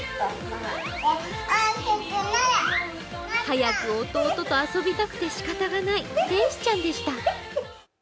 早く弟と遊びたくてしかたがない天使ちゃんでした。